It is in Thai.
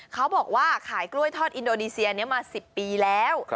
เขาบอกว่าขายกล้วยทอดอินโดนีเซียนี้มา๑๐ปีแล้ว